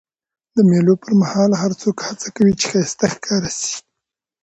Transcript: د مېلو پر مهال هر څوک هڅه کوي، چي ښایسته ښکاره سي.